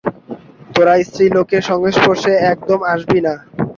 তোরা স্ত্রীলোকের সংস্পর্শে একদম আসবি না।